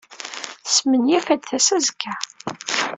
Tesmenyaf ad d-tas azekka.